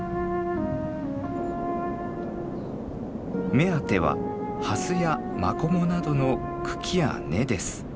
目当てはハスやマコモなどの茎や根です。